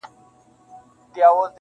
خو دننه درد ژوندی وي تل,